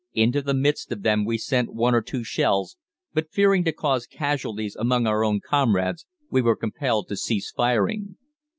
Into the midst of them we sent one or two shells; but fearing to cause casualties among our own comrades, we were compelled to cease firing.